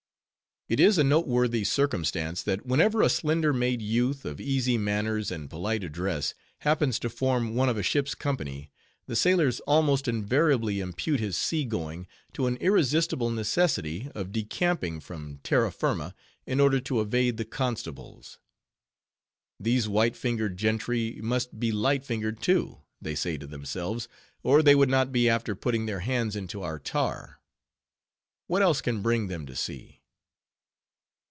It is a noteworthy circumstance, that whenever a slender made youth, of easy manners and polite address happens to form one of a ship's company, the sailors almost invariably impute his sea going to an irresistible necessity of decamping from terra firma in order to evade the constables. These white fingered gentry must be light fingered too, they say to themselves, or they would not be after putting their hands into our tar. What else can bring them to sea?